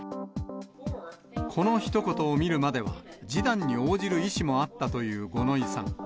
このひと言を見るまでは、示談に応じる意思もあったという五ノ井さん。